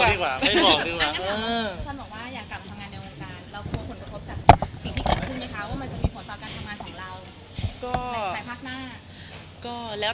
เรียกงานไปเรียบร้อยแล้ว